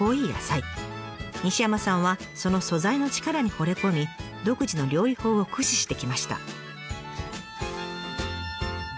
西山さんはその素材の力にほれ込み独自の料理法を駆使してきました。